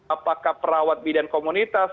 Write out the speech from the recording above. apakah perawat bidang komunitas